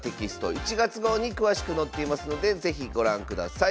１月号に詳しく載っていますので是非ご覧ください。